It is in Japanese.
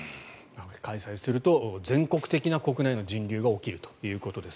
開催すると全国的な国内の人流が起きるということです。